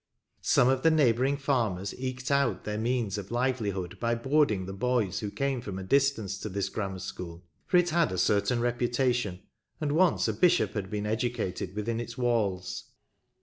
Some of the neighbouring farmers eked out their means of livelihood by board ing the boys who came from a distance to this grammar school, for it had a certain repu tation, and once a Bishop had been educated within its walls.